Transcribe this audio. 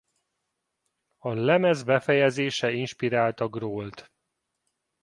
A lemez befejezése inspirálta Grohl-t.